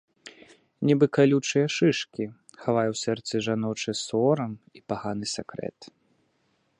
Нібы калючыя шышкі, хавае ў сэрцы жаночы сорам і паганы сакрэт.